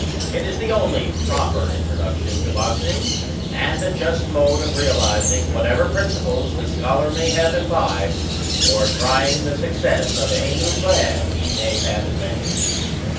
It is the only proper introduction to boxing, and a just mode of realizing whatever prinpiples the scholar may have imbibed, or trying the success of any new plan he may have invented.